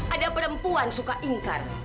ada perempuan suka ingkar